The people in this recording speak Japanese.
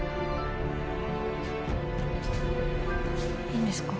いいんですか？